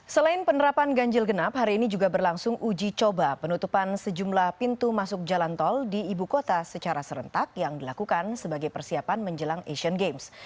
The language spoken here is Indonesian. selain penerapan ganjil genap hari ini juga berlangsung uji coba penutupan sejumlah pintu masuk jalan tol di ibu kota secara serentak yang dilakukan sebagai persiapan menjelang asian games